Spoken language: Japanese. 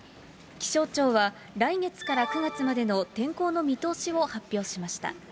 気象庁は、来月から９月までの天候の見通しを発表しました。